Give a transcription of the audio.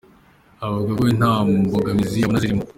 Avuga ko we nta mbogamizi abona zirimo.